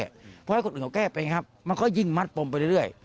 เพราะให้คนอื่นเขาแก้ไปครับมันก็ยิ่งมัดปมไปเรื่อย